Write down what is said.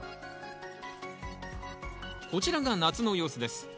こちらが夏の様子です。